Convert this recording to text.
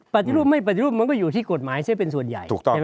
ปฏิรูปไม่ปฏิรูปมันก็อยู่ที่กฎหมายซะเป็นส่วนใหญ่